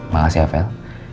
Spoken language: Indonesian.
makasih ya fel